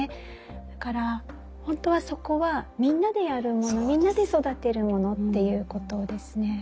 だから本当はそこはみんなでやるものみんなで育てるものっていうことですね。